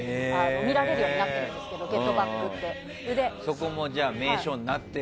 見られるようになっているんですけど「ゲットバック」っていって。